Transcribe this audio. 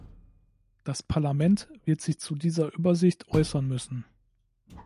Das Parlament wird sich zu dieser Übersicht äußern müssen.